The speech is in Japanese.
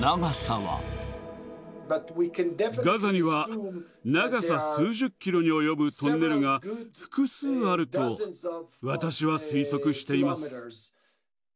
ガザには、長さ数十キロに及ぶトンネルが複数あると私は推測しています。